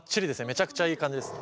めちゃくちゃいい感じです。